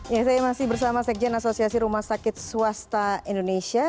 ya saya masih bersama sekjen asosiasi rumah sakit swasta indonesia